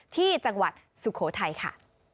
ที่จังหวัดสุโขทัยค่ะ